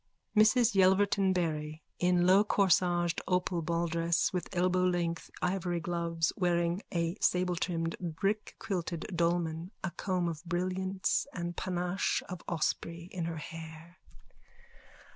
MRS YELVERTON BARRY: _(In lowcorsaged opal balldress and elbowlength ivory gloves, wearing a sabletrimmed brickquilted dolman, a comb of brilliants and panache of osprey in her hair.)